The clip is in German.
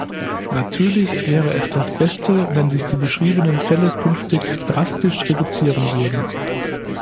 Natürlich wäre es das Beste, wenn sich die beschriebenen Fälle künftig drastisch reduzieren würden.